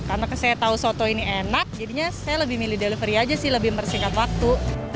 karena saya tahu soto ini enak jadinya saya lebih milih delivery aja sih lebih membersingkan waktu